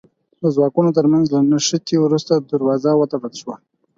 د ځواکونو تر منځ له نښتې وروسته دروازه وتړل شوه.